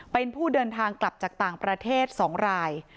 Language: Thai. เป็นผู้เดินทางกลับจากต่างประเทศ๒ราย